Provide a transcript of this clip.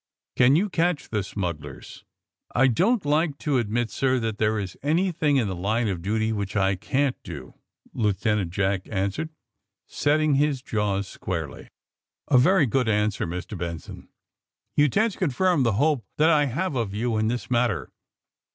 ^^ Can you catch the smugglers 1 '' '^I don't like to admit, sir, that there is any thing in the line of duty which I can't do, " Lieu tenant Jack answered, setting his jaws squarely. *' A very good answer, Mr. Benson. You tend to confirm the hope that I have of you in this matter.